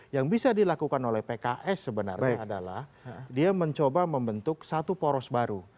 yang bisa dilakukan oleh pks sebenarnya adalah dia mencoba membentuk satu poros baru